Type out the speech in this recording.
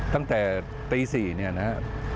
ตั้งแต่ปี๔นะครับ